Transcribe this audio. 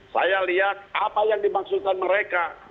saya lihat apa yang dimaksudkan mereka